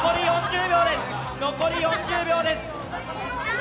残り４０秒です。